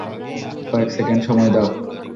কয়েক সেকেন্ড সময় দাও!